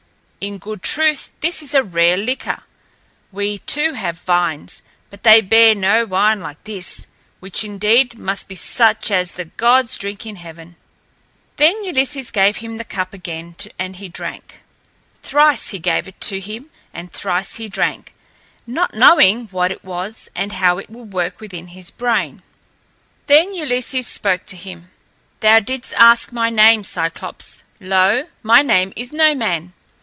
In good truth this is a rare liquor. We, too, have vines, but they bear no wine like this, which indeed must be such as the gods drink in heaven." Then Ulysses gave him the cup again and he drank. Thrice he gave it to him and thrice he drank, not knowing what it was and how it would work within his brain. Then Ulysses spake to him. "Thou didst ask my name, Cyclops. Lo! my name is No Man.